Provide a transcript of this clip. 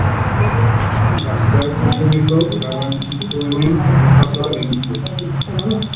Gazteak zuzeneko garrantzitsuenen errepasoa egin du.